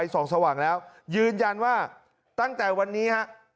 ส่องสว่างแล้วยืนยันว่าตั้งแต่วันนี้ฮะ